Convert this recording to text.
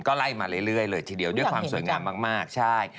ก็ไล่มาเรื่อยเลยทีเดียวด้วยความสวยงามมากใช่